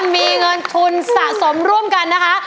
มีเงินทุนสะสมร่วมกันนะคะ